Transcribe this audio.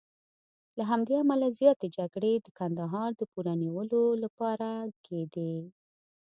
له همدې امله زیاتې جګړې د کندهار د پوره نیولو لپاره کېدې.